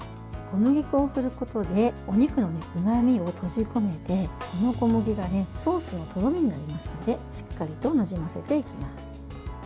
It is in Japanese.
小麦粉を振ることでお肉のうまみを閉じ込めてこの小麦がソースのとろみになりますのでしっかりとなじませていきます。